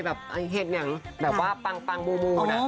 เอาไปเฮ็ดวิ้งแบบว่าปั่งมูล